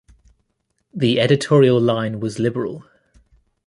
The editorial line was liberal.